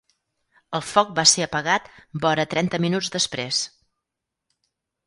El foc va ser apagat vora trenta minuts després.